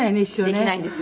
できない。